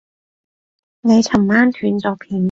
你尋晚斷咗片